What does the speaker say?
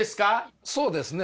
そうですね。